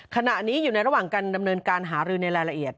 ขณะนี้อยู่ในระหว่างการดำเนินการหารือในรายละเอียด